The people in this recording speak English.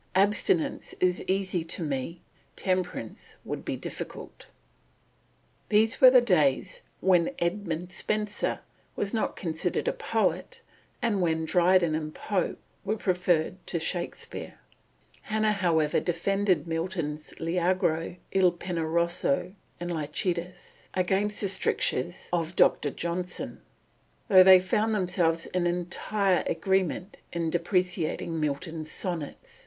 Abstinence is easy to me; temperance would be difficult." These were days when Edmund Spenser was not considered a poet, and when Dryden and Pope were preferred to Shakespeare. Hannah, however, defended Milton's L'Allegro, Il Penseroso, and Lycidas, against the strictures of Dr. Johnson; though they found themselves in entire agreement in depreciating Milton's sonnets.